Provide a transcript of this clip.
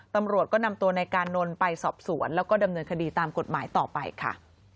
ตำรวจก็นำตัวนายกานนท์ไปสอบสวนแล้วก็ดำเนินคดีตามกฎหมายต่อไปค่ะ